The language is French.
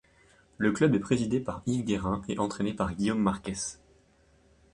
Le club est présidé par Yves Guérin et entraîné par Guillaume Marquès.